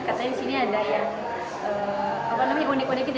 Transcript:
katanya disini ada yang unik unik gitu